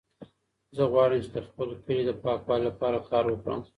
زه غواړم چې د خپل کلي د پاکوالي لپاره کار وکړم.